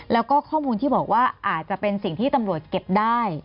แล้วก็ข้อมูลที่บอกว่าอาจจะเป็นสิ่งที่ตำรวจเก็บได้